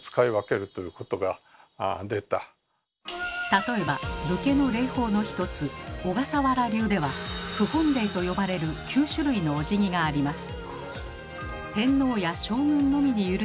例えば武家の礼法の一つ「小笠原流」では「九品礼」と呼ばれる９種類のおじぎがあります。